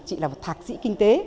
chị là một thạc sĩ kinh tế